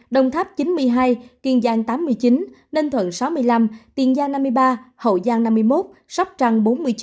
đồng tháp chín mươi hai kiên giang tám mươi chín ninh thuận sáu mươi năm tiền giang năm mươi ba hậu giang năm mươi một sóc trăng bốn mươi chín